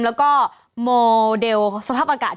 และเหตุสภาพประเทศ